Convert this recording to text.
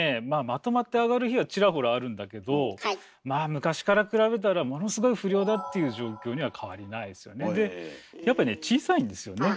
まとまって揚がる日はちらほらあるんだけどまあ昔から比べたらものすごい不漁だっていう状況には変わりないですよね。